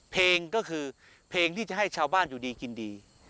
เพลงก็คือเพลงที่จะให้ชาวบ้านอยู่ดีกินดี